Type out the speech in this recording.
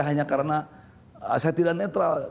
hanya karena saya tidak netral